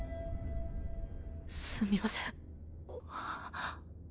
すみません。